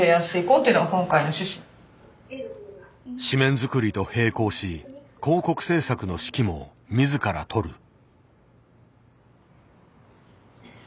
誌面作りと並行し広告制作の指揮も自ら執る。